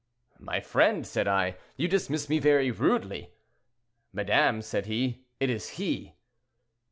"'My friend,' said I, 'you dismiss me very rudely.' 'Madame,' said he, 'it is he.'